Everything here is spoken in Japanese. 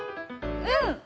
うん！